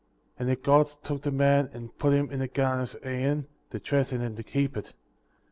^ And the Gods took the man and put him in the Garden of Eden, to dress it and to keep it. 12.